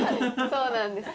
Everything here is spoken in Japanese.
そうなんです。